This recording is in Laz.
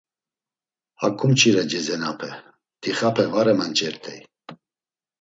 Haǩu mçire cezenape, dixape var emanç̌ert̆ey.